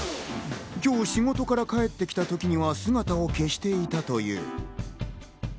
今日、仕事から帰ってきた時には姿を消していたという。